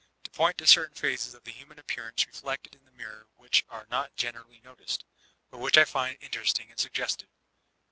3. To point to certain phases of the human appearance reflected in the mirror which are not generally noticed* but which I find interesting and suggestive.